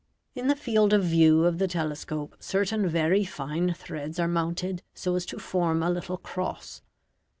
In the field of view of the telescope certain very fine threads are mounted so as to form a little cross.